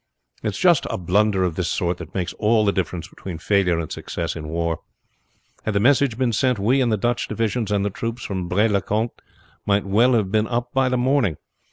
It is just a blunder of this sort that makes all the difference between failure and success in war. Had the message been sent, we and the Dutch divisions and the troops from Braine le Comte might all have been up by the morning.